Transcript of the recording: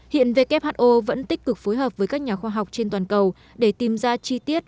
hiện who vẫn tích cực phối hợp với các nhà khoa học trên toàn cầu để tìm ra chi tiết